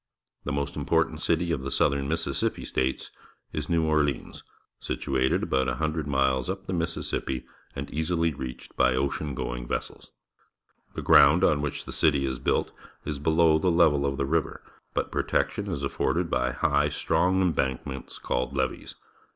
The most important city of the Southern Mississippi States is New Orleans, situated about a hundred miles up the Mississippi and easily reached by ocean going vessels. The ground on which the city is built is below the level of the river, but protection is afford ed by liigh and strong embankments, called levees.